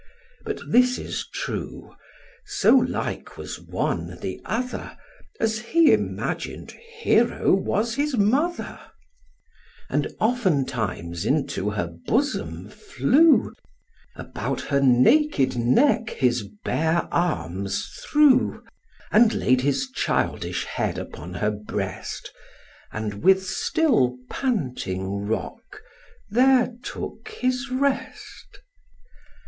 But this is true; so like was one the other, As he imagin'd Hero was his mother; And oftentimes into her bosom flew, About her naked neck his bare arms threw, And laid his childish head upon her breast, And, with still panting rock, there took his rest.